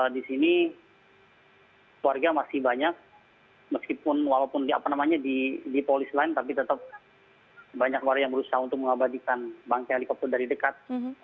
di sini warga masih banyak meskipun walaupun di polis lain tapi tetap banyak warga yang berusaha untuk mengabadikan bangkai helikopter dari dekat